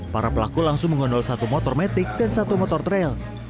para pelaku langsung mengondol satu motor metik dan satu motor trail